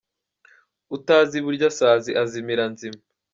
Utazi iburyasazi azimira nzima.